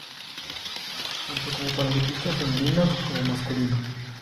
Tanto para ciclistas femeninas como masculinos.